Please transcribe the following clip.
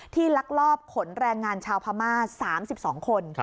ลักลอบขนแรงงานชาวพม่า๓๒คน